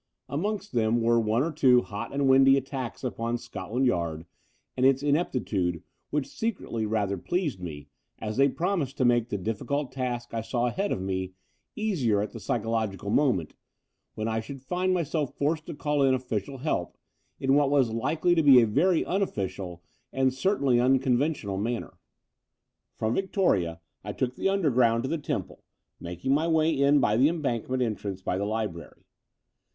Amongst them were one or two hot and windy attacks upon Scotland Yard and its ineptitude which secretly rather pleased me, as they promised to make the diiSicult task I saw ahead of me easier at the psychological moment, when I should find myself forced to call in ofiicial help in what was likely to be a very unofficial and certainly imcon ventional manner. From Victoria I took the Underground to the Temple, making my way in by the Embankment entrance by the Library.